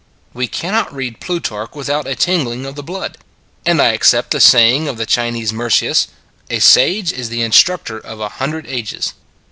We cannot read Plutarch with out a tingling of the blood ; and I accept the say ing of the Chinese Mercius : A sage is the in structor of a hundred ages.